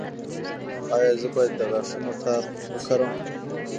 ایا زه باید د غاښونو تار وکاروم؟